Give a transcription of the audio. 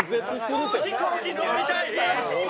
もう飛行機乗りたい